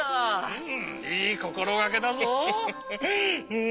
うんいいこころがけだぞ。